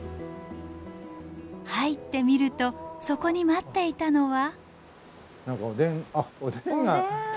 入ってみるとそこに待っていたのは。